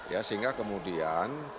ya sehingga kemudian